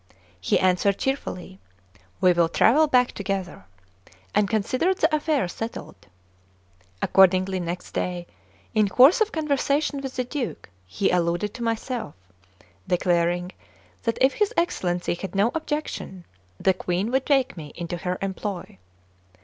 He answered cheerfully: "We will travel back together!" and considered the affair settled. Accordingly, next day, in course of conversation with the Duke, he alluded to myself, declaring that if his Excellency had no objection, the Queen would take me into her employ.